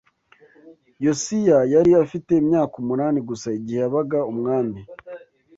YOSIYA yari afite imyaka umunani gusa igihe yabaga umwami